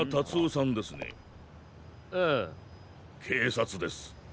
警察です。